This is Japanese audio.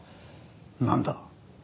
なんだ？